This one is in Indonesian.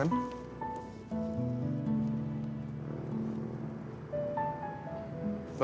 aku mau ke rumah